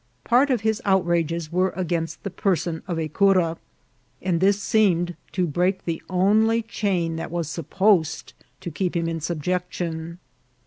Part of his outrages were against the person of a cura, and this seemed to break the only chain that was sup posed to keep him in subjection.